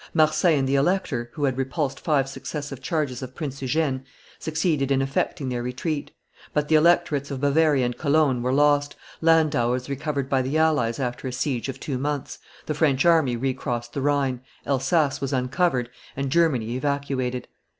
Marsin and the elector, who had repulsed five successive charges of Prince Eugene, succeeded in effecting their retreat; but the electorates of Bavaria and Cologne were lost, Landau was recovered by the allies after a siege of two months, the French army recrossed the Rhine, Elsass was uncovered, and Germany evacuated.